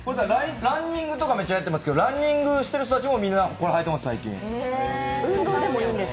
ランニングとかやってますけど、ランニングしてる人たちみんな履いてます。